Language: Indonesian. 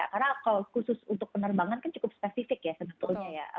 karena kalau khusus untuk penerbangan kan cukup spesifik ya sebetulnya ya